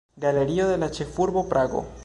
Galerio de la Ĉefurbo Prago.